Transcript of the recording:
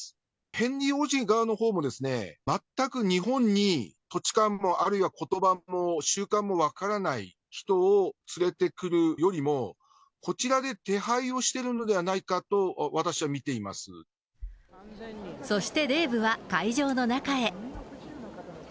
ヘンリー王子側のほうも、全く日本に土地勘も、あるいはことばも習慣も分からない人を連れてくるよりも、こちらで手配をしているのではないかと、そしてデーブは会場の中へ。